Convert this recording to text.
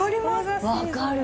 分かる。